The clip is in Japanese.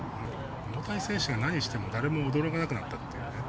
大谷選手が何をしても誰も驚かなくなったっていうね。